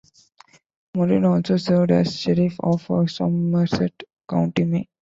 Morrill also served as sheriff of Somerset County, Maine.